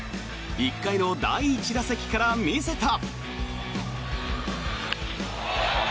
１回の第１打席から見せた。